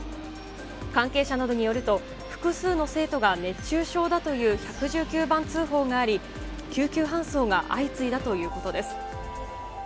関係者などによると、複数の生徒が熱中症だという１１９番通報があり、救急搬送が相次いだということです。